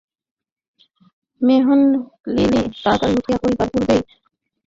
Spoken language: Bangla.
হেমনলিনী তাড়াতাড়ি উঠিয়া পড়িবার পূর্বেই অন্নদাবাবু তাহার পাশে বসিলেন।